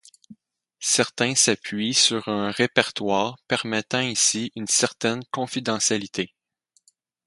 Certains s’appuient sur un répertoire permettant ainsi une certaine confidentialité.